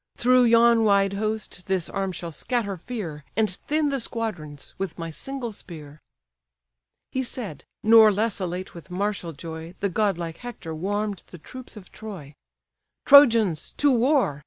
Through yon wide host this arm shall scatter fear, And thin the squadrons with my single spear." He said: nor less elate with martial joy, The godlike Hector warm'd the troops of Troy: "Trojans, to war!